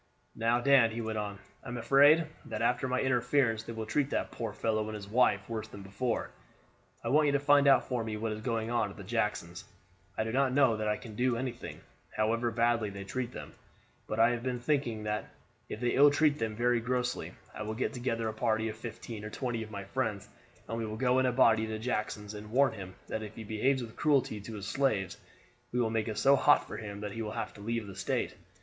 "Now, Dan," he went on, "I am afraid that after my interference they will treat that poor fellow and his wife worse than before. I want you to find out for me what is going on at Jackson's. I do not know that I can do anything, however badly they treat them; but I have been thinking that if they ill treat them very grossly, I will get together a party of fifteen or twenty of my friends and we will go in a body to Jackson's, and warn him that if he behaves with cruelty to his slaves, we will make it so hot for him that he will have to leave the state.